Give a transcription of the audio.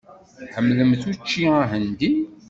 Tḥemmlemt učči ahendi?